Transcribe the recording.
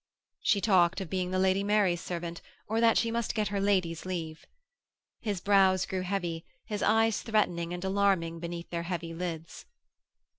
She talked of being the Lady Mary's servant, or that she must get her lady's leave. His brows grew heavy, his eyes threatening and alarming beneath their heavy lids.